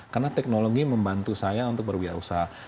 karena technology membantu saya untuk berwirausaha